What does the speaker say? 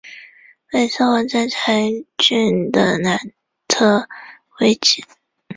韦斯活在柴郡的南特威奇。